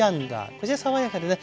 こちら爽やかでね